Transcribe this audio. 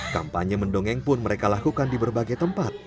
kampanye mendongeng pun mereka lakukan di berbagai tempat